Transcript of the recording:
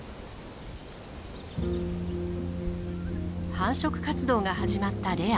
繁殖活動が始まったレア。